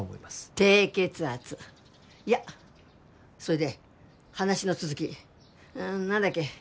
低血圧いやそれで話の続きうーん何だっけ？